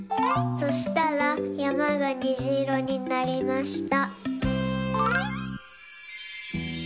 そしたらやまがにじいろになりました。